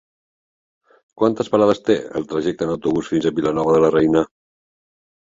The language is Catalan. Quantes parades té el trajecte en autobús fins a Vilanova de la Reina?